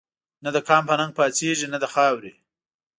نه دقام په ننګ پا څيږي نه دخاوري